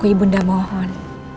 putraku bunda mohon